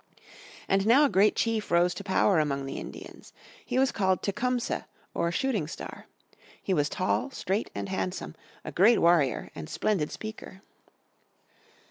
And now a great chief rose to power among the Indians. He was called Tecumseh or Shooting Star. He was tall, straight and handsome, a great warrior and splendid speaker.